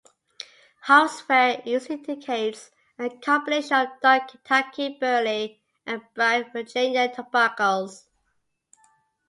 Halfzware usually indicates a combination of dark Kentucky burley and bright Virginia tobaccos.